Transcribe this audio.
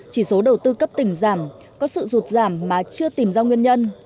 chỉ số đầu tư cấp tỉnh giảm có sự rụt giảm mà chưa tìm ra nguyên nhân